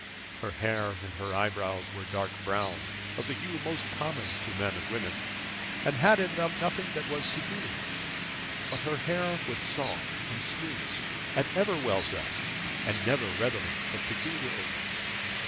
Her hair and eyebrows were dark brown, of the hue most common to men and women, and had in them nothing that was peculiar; but her hair was soft and smooth and ever well dressed, and never redolent of peculiar odors.